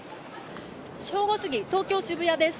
正午過ぎ、東京・渋谷です。